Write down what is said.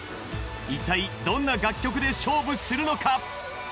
いったいどんな楽曲で勝負するのか？